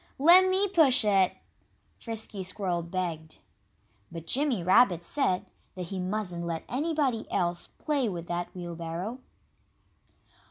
"Let me push it!" Frisky Squirrel begged. But Jimmy Rabbit said that he mustn't let anybody else play with that wheelbarrow.